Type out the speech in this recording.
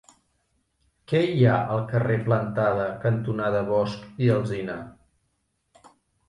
Què hi ha al carrer Plantada cantonada Bosch i Alsina?